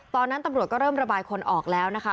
ตอนนั้นตำรวจก็เริ่มระบายคนออกแล้วนะคะ